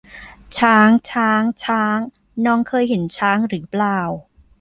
ช้าง ช้าง ช้าง น้องเคยเห็นช้างหรือเปล่า